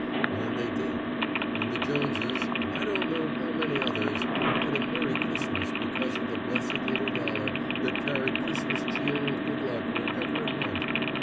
And they did; and the Joneses, and I don't know how many others, had a Merry Christmas because of the blessed little dollar that carried Christmas cheer and good luck wherever it went.